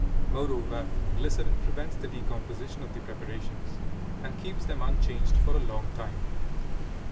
Moreover, glycerin prevents the decomposition of the preparations and keeps them unchanged for a long time.